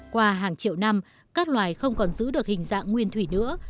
qua hàng triệu năm các loài không còn giữ được hình dạng nguyên thủy nữa